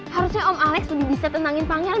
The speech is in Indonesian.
harusnya om alex lebih bisa tenangin pangeran